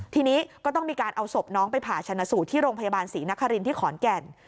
ทีนี้ก็ต้องมีการเอาศพน้องไปผ่าชนะสูตรที่โรงพยาบาลศรีนครินที่ขอนแก่น